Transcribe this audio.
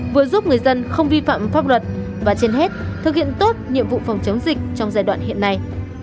vừa giúp người dân không vi phạm pháp luật và trên hết thực hiện tốt nhiệm vụ phòng chống dịch trong giai đoạn hiện nay